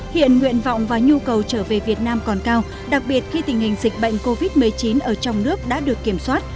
hiện nguyện vọng và nhu cầu trở về việt nam còn cao đặc biệt khi tình hình dịch bệnh covid một mươi chín ở trong nước đã được kiểm soát